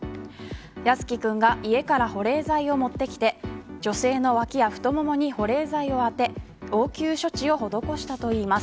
靖宜君が家から保冷剤を持ってきて女性の脇や太ももに保冷剤をあて応急処置を施したといいます。